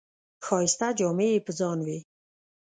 ښایسته جامې یې په ځان وې.